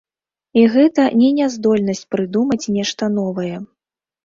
І гэта не няздольнасць прыдумаць нешта новае.